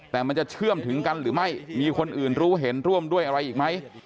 แต่มันจะเชื่อมถึงกันหรือไม่มีคนอื่นรู้เห็นร่วมด้วยอะไรอีกไหม